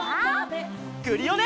クリオネ！